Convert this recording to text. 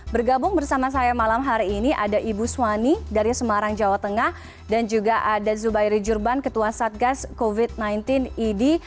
bergabung bersama saya malam hari ini ada ibu suwani dari semarang jawa tengah dan juga ada zubairi jurban ketua satgas covid sembilan belas idi